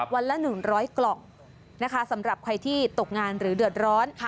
วันละ๑๐๐กล่องนะคะสำหรับใครที่ตกงานหรือเดือดร้อน